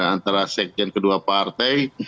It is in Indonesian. antara sekjen kedua partai